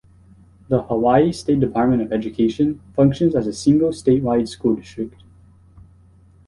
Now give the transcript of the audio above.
The Hawaii State Department of Education functions as a single statewide school district.